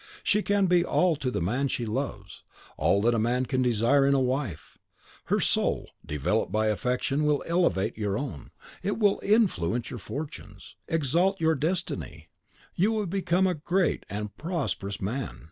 She can be all to the man she loves, all that man can desire in wife. Her soul, developed by affection, will elevate your own; it will influence your fortunes, exalt your destiny; you will become a great and a prosperous man.